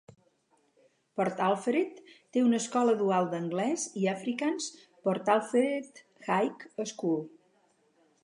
Port Alfred té una escola dual d'anglès i afrikaans, Port Alfred High School.